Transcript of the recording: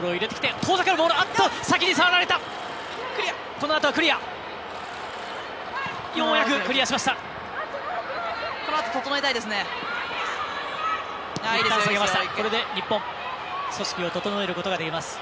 このあと整えたいですね。